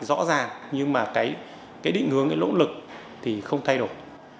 rõ ràng nhưng mà cái định hướng cái lỗ lực thì không thay đổi